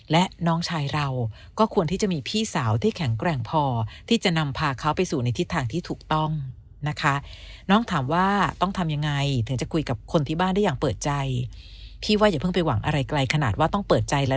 และน้องชายเราก็ควรที่จะมีพี่สาวที่แข็งแกร่งพอ